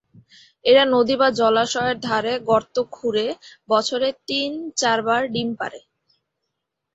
এরা নদী বা জলাশয়ের ধারে গর্ত খুঁড়ে বছরে তিন-চারবার ডিম পাড়ে।